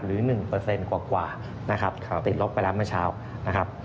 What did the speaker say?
หรือ๑กว่านะครับติดลบไปแล้วเมื่อเช้านะครับ